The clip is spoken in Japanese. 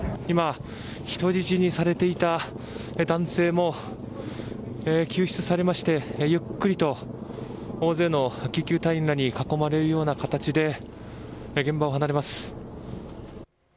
今、人質にされていた男性も救出されましてゆっくりと大勢の救急隊員らに囲まれるような形で現場を離れます。